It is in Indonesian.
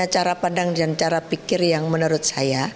cara pandang dan cara pikir yang menurut saya